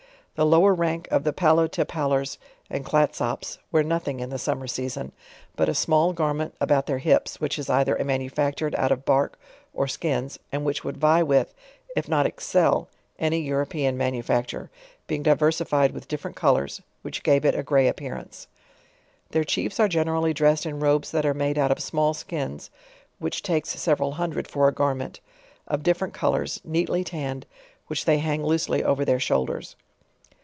The lower rank of the Pallotepal lors and Clatsops, wear nothing in the summer season, but a smell garment about their hips, which is either manufactur ed out of bark or skins, and which w r ould vie with, if not ex el, any European manufacture, being diversified with dif 4.2 JOURNAL OF ferent colours, which gave it a gray appearance. Their Chiefs are generally dres&ed in robes that are made out of email skins, (which takes several hundred for a garment,) of different colors, neatly tanned, which they ha.ng loosely over their shoulders.